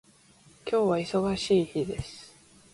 今日は忙しい日です